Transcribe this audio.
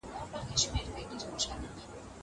زه به موبایل کار کړی وي!